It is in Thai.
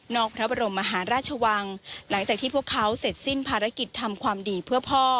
พระบรมมหาราชวังหลังจากที่พวกเขาเสร็จสิ้นภารกิจทำความดีเพื่อพ่อ